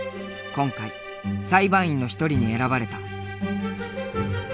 今回裁判員の一人に選ばれた。